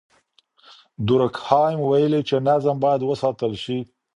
دورکهايم ويلي چي نظم بايد وساتل سي.